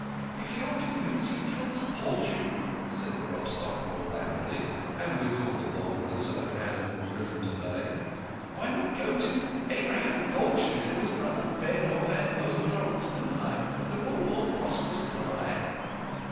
" If your own community cannot support you," said Grobstock, more loudly, and with all the boldness of an animal driven to bay, " why not go to Abraham Goldsmid, or his brother Ben, or to Van Oven, or Oppenheim they're all more prosperous than I."